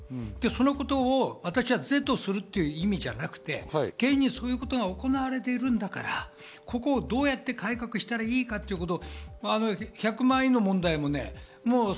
そのことを私は是とするっていう意味じゃなくて、現にそういうことは行われているんだからここをどうやって改革したらいいかっていうことを。